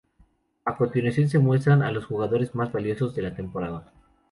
A continuación se muestran a los jugadores "más valiosos" de la temporada.